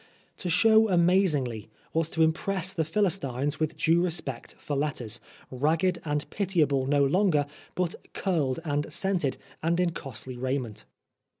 To show amazingly, was to impress the Philistines with due respect for letters, ragged and pitiable no longer, but curled and scented, and in costly raiment.